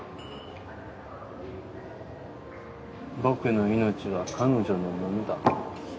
「僕の命は彼女のものだ」。